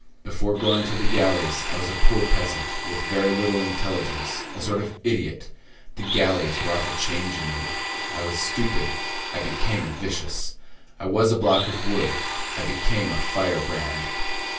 Before going to the galleys, I was a poor peasant, with very little intelligence, a sort of idiot; the galleys wrought a change in me. I was stupid; I became vicious: I was a block of wood; I became a firebrand.